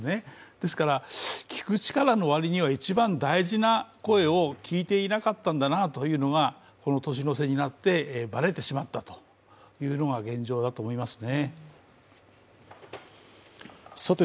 ですから、聞く力の割には一番大事な声を聞いていなかったんだなというのが、この年の瀬になってばれてしまったというのが現状だと思いますね。